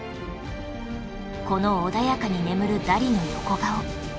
この穏やかに眠るダリの横顔